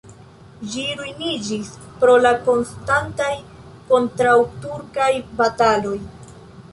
Ĝi ruiniĝis pro la konstantaj kontraŭturkaj bataloj.